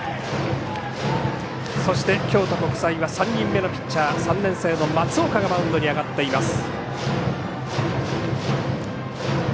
そして、京都国際は３人目のピッチャー３年生の松岡がマウンドに上がっています。